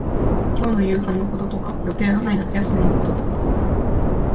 今日の夕飯のこととか、予定のない夏休みのこととか、